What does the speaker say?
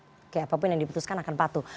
oke apapun yang diputuskan akan patuh